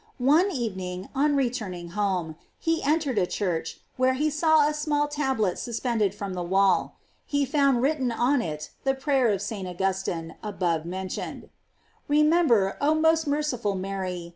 One evening, on returning home, he entered a church, where he saw a small tablet suspended from the wall; he found written on it the prayer of St. Augus tine above mentioned: "Remember, oh mo«$ GLORIES OF MARY. 153 merciful Mary!